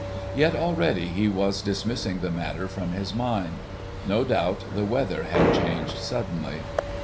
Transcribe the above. Yet already he was dismissing the matter from his mind. No doubt the weather had changed suddenly.